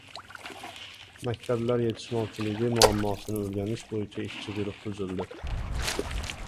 Maktablar yetishmovchiligi muammosini o‘rganish bo‘yicha ishchi guruh tuzildi